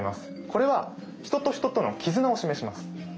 これは人と人との絆を示します。